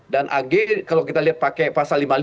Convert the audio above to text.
dan agh kalau kita lihat pakai pasal lima puluh lima